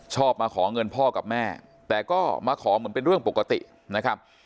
มาขอเงินพ่อกับแม่แต่ก็มาขอเหมือนเป็นเรื่องปกตินะครับ